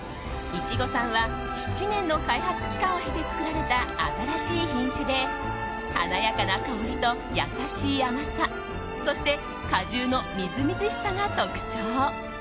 いちごさんは７年の開発期間を経て作られた新しい品種で華やかな香りと優しい甘さそして果汁のみずみずしさが特徴。